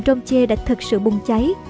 trong che đã thật sự bùng cháy